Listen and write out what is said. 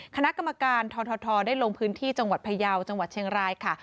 คณะกรรมการททได้ลงพื้นที่จังหวัดพยาวจังหวัดเชียงรายค่ะ